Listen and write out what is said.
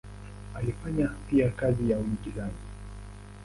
Alifanya pia kazi ya uigizaji.